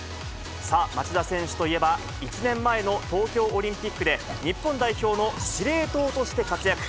さあ、町田選手といえば、１年前の東京オリンピックで、日本代表の司令塔として活躍。